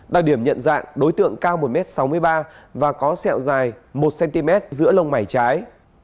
đặc điểm nhận dạng đối tượng cao một m sáu mươi ba và có sẹo dài một cm giữa lông mảy trái